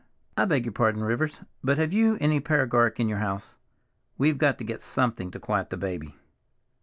"I beg your pardon, Rivers, but have you any paregoric in the house? We've got to get something to quiet the baby."